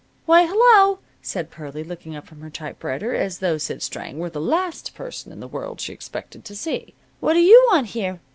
"Why, hello!" said Pearlie, looking up from her typewriter as though Sid Strang were the last person in the world she expected to see. "What do you want here?